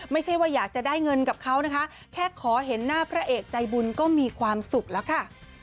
ไม่ใช่ว่าอยากจะได้เงินกับเขานะคะแค่ขอเห็นหน้าพระเอกใจบุญก็มีความสุขแล้วค่ะ